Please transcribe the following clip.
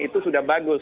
itu sudah bagus